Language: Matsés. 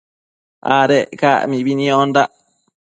Adec ca mibi niondandac